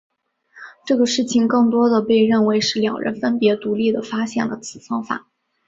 这个事情更多地被认为是两人分别独立地发现了此方法。